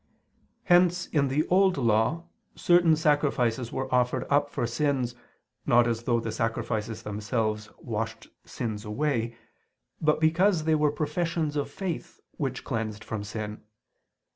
Hence in the Old Law certain sacrifices were offered up for sins, not as though the sacrifices themselves washed sins away, but because they were professions of faith which cleansed from sin.